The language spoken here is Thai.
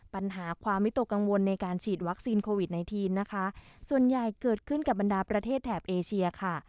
ปัญหาความวิตกกังวลในการฉีดวัคซีนโควิดไนทีนนะคะส่วนใหญ่เกิดขึ้นกับบรรดาประเทศแถบเอเชียค่ะ